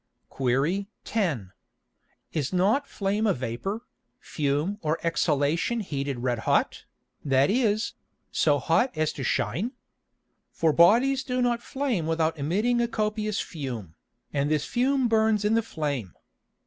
Qu. 10. Is not Flame a Vapour, Fume or Exhalation heated red hot, that is, so hot as to shine? For Bodies do not flame without emitting a copious Fume, and this Fume burns in the Flame.